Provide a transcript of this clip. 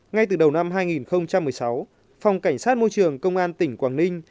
ngay từ đầu năm hai nghìn một mươi sáu phòng cảnh sát môi trường công an tỉnh quảng ninh